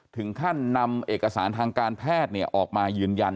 ถึงขั้นนำเอกสารทางการแพทย์ออกมายืนยัน